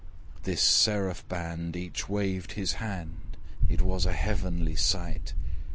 This seraph band, each waved his hand: It was a heavenly sight!